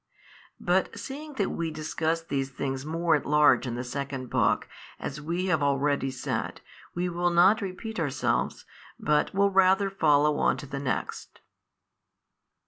But seeing that we discussed these things more at large in the second Book, as we have already said, we will not repeat ourselves, but will rather follow on to the next.